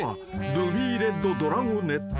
ルビーレッドドラゴネット。